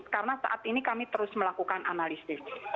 karena saat ini kami terus melakukan analisis